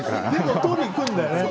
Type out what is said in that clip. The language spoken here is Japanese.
でも撮り行くんだよね。